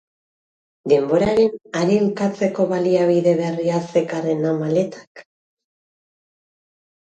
Denboraren harilkatzeko baliabide berria zekarrena maletak?